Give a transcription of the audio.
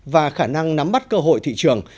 và khả năng nắm bắt cơ hội thị trường